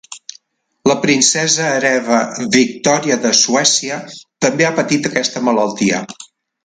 La princesa hereva Victòria de Suècia també ha patit aquesta malaltia.